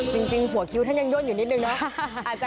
จริงหัวคิ้วท่านยังย่นอยู่นิดนึงนะ